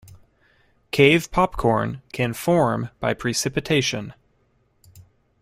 Cave popcorn can form by precipitation.